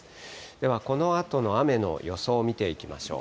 では、このあとの雨の予想を見ていきましょう。